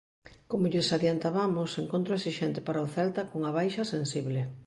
Como lles adiantabamos, encontro esixente para o Celta cunha baixa sensible.